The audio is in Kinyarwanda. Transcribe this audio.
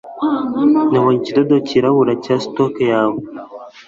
nabonye ikidodo cyirabura cya stock yawe